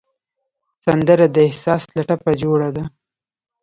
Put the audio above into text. سندره د احساس له ټپه جوړه ده